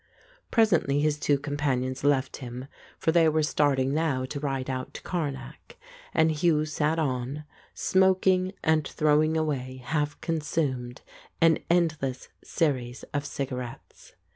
Presently his two companions left him, for they were starting now to ride out to Karnak, and Hugh sat on, smoking and throwing away half consumed an endless series of cigarettes.